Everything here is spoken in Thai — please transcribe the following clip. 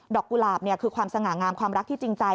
กุหลาบคือความสง่างามความรักที่จริงใจ